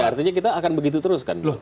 artinya kita akan begitu terus kan